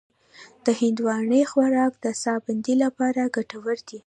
د هندواڼې خوراک د ساه بندۍ لپاره ګټور دی.